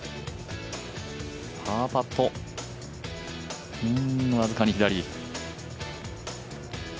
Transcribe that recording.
パーパット、僅かに左。